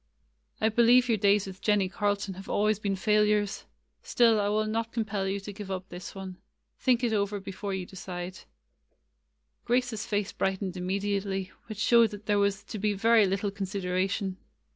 "I believe your days with Jennie Carlton [ 82 ] GRACE^S HOLIDAY have always been failures ; still I will not com pel you to give up this one. Think it over before you decide." Grace's face brightened immediately, which showed that there was to be very little consid eration.